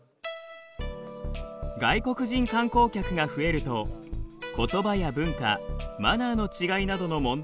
外国人観光客が増えると言葉や文化マナーの違いなどの問題も生じます。